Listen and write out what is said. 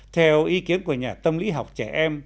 theo ý kiến của nhà tâm lý học trẻ em